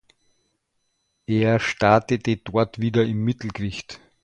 Er startete dort wieder im Mittelgewicht.